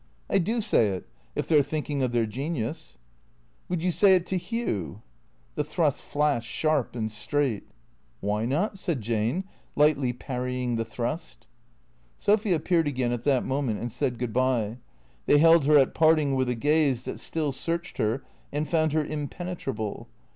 " I do say it — if they 're thinking of their genius." " Would you say it to Hugh ?" The thrust flashed sharp and straight. " Why not ?" said Jane, lightly parrying the thrust. Sophy appeared again at that moment and said good bye. They held her at parting with a gaze that still searched her and found her impenetrable.